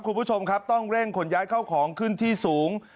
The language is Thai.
คุณผู้ชมครับต้องเร่งขนย้ายเข้าของขึ้นที่สูง